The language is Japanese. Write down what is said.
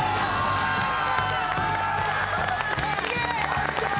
やったー！